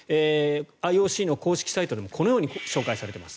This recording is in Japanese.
ＩＯＣの公式サイトでもこのように紹介されています。